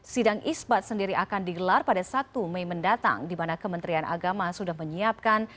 sidang isbat sendiri akan digelar pada satu mei mendatang di mana kementerian agama sudah menyiapkan